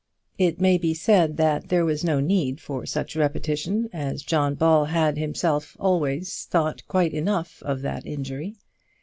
It may be said that there was no need for such repetition, as John Ball had himself always thought quite enough of that injury.